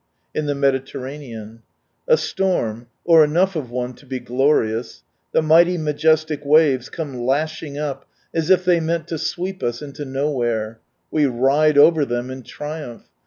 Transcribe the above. In the Mediterranean. — A storm, or enough of one to be glorious ! The mighty majestic waves come lashing op, as if they meant to sweep us into no where ; we ride over them, in triumph.